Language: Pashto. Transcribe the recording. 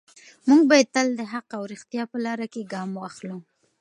موږ باید تل د حق او ریښتیا په لاره کې ګام واخلو.